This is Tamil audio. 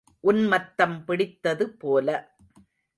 உன்மத்தம் பிடித்தது போல.